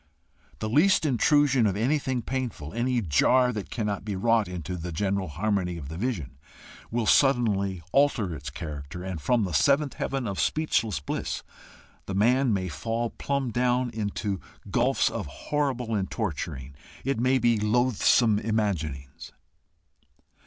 The least intrusion of anything painful, of any jar that cannot be wrought into the general harmony of the vision, will suddenly alter its character, and from the seventh heaven of speechless bliss the man may fall plumb down into gulfs of horrible and torturing, it may be loathsome imaginings.